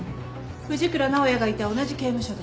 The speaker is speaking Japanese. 藤倉尚也がいた同じ刑務所です。